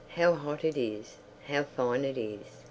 How hot it is! How fine it is!